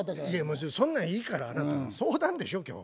そんなんいいからあなた相談でしょ今日。